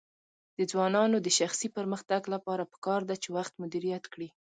د ځوانانو د شخصي پرمختګ لپاره پکار ده چې وخت مدیریت کړي.